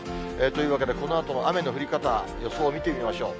というわけで、このあとの雨の降り方、予想を見てみましょう。